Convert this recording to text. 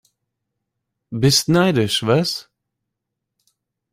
Bist neidisch, was?